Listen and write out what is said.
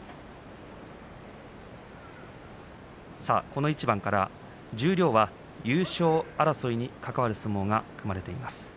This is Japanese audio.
この一番から十両は優勝争いに関わる相撲が組まれています。